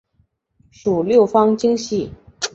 属六方晶系。